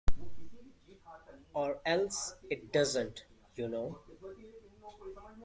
Or else it doesn’t, you know.